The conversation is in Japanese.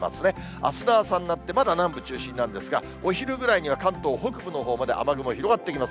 あすの朝になってまだ南部中心なんですが、お昼ぐらいには、関東北部のほうまで雨雲広がってきます。